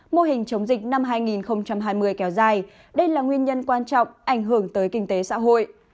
mô hình chống dịch năm hai nghìn hai mươi kéo dài đây là nguyên nhân quan trọng ảnh hưởng tới kinh tế xã hội